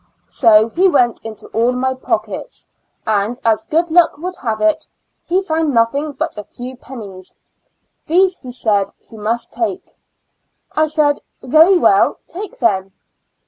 So he went into all my pockets, and as good luck would have it, he found nothing but a few pennies ; these he said he must take. I said, "very well, take them."